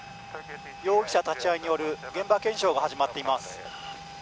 容疑者立ち合いによる現場検証が始まっています。